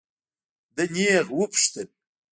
ده نېغ وپوښتل.